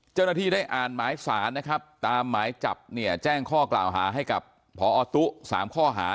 เจ้าหน้าที่ได้อ่านหมายสารตามหมายจับแจ้งข้อกล่าวหาให้กับพอตู้๓ข้อหา